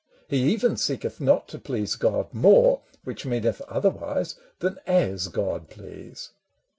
He even seeketh not to please God more (Which meaneth, otherwise) than as God please.